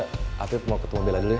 akhirnya mau ketemu bella dulu ya